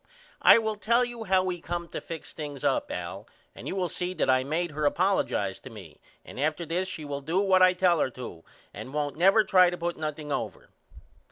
I will tell you how we come to fix things up Al and you will see that I made her apollojize to me and after this she will do what I tell her to and won't never try to put nothing over.